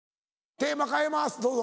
テーマ変えますどうぞ。